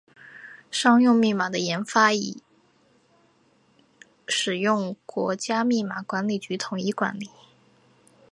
商用密码的研发及使用由国家密码管理局统一管理。